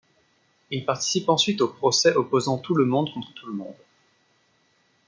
Il participe ensuite au procès opposant tout le monde contre tout le monde.